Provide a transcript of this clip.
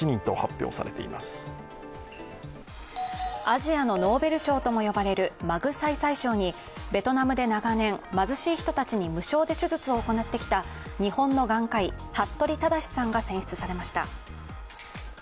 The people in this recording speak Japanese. アジアのノーベル賞とも言われるマグサイサイ賞にベトナムで長年、貧しい人たちに無償で手術を行ってきた日本の眼科医、服部匡志さんが選出されました。